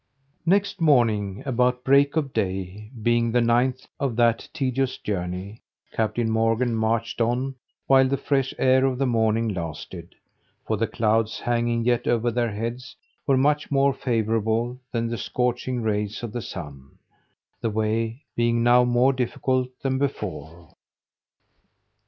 Next morning, about break of day, being the ninth of that tedious journey, Captain Morgan marched on while the fresh air of the morning lasted; for the clouds hanging yet over their heads, were much more favourable than the scorching rays of the sun, the way being now more difficult than before.